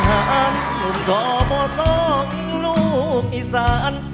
หนุ่มส่อบส่องลูกอีสาน